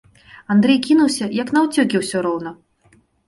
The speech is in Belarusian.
Андрэй кінуўся, як наўцёкі ўсё роўна.